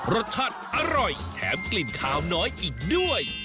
รสชาติอร่อยแถมกลิ่นขาวน้อยอีกด้วย